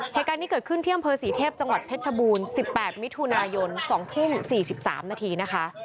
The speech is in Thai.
เหตุการณ์นี้เกิดขึ้นที่อำเภอศรีเทพจังหวัดเพชรชบูรณ์๑๘มิถุนายน๒ทุ่ม๔๓นาทีนะคะ